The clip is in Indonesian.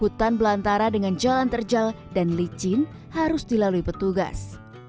hutan belantara dengan jalan terjal dan licin harus dilalui petugas